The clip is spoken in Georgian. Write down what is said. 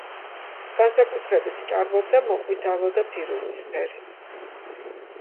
განსაკუთრებით ჭარბობდა მოყვითალო და ფირუზისფერი.